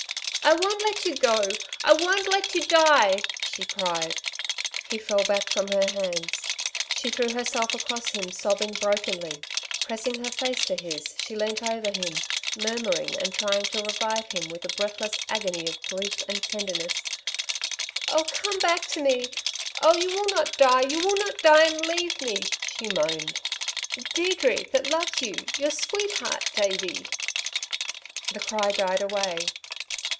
"I won't let you go! I won't let you die!" she cried. He fell back from her hands. She threw herself across him sobbing brokenly. Pressing her face close to his, she leant over him, murmuring and trying to revive him with a breathless agony of grief and tenderness. "Oh, come back to me! Oh, you will not die. You will not die and leave me," she moaned. "Deirdre, that loves you. Your sweetheart, Davey!" The cry died away.